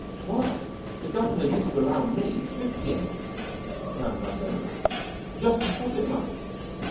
"Why, the governor used to allow me fifty a month," returned Vandover, "just for pocket money."